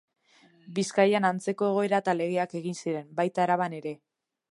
Bizkaian antzeko egoera eta legeak egin ziren, baita Araban ere.